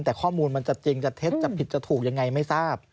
แต่ข้อมูลมันจะจริงจะเท็จจะผิดจะถูกยังไงไม่ทราบ